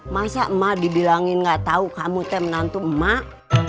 masa emak dibilangin gak tau kamu teh menantu emak